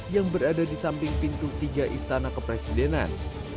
yang berada di samping pintu tiga istana kepresidenan